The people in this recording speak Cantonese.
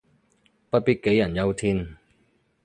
不必杞人憂天